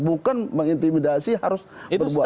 bukan mengintimidasi harus berbuat